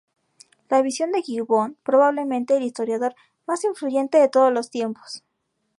La visión de Gibbon, probablemente el historiador más influyente de todos los tiempos.